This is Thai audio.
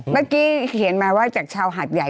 เมื่อกี้เขียนมาว่าจากชาวหาดใหญ่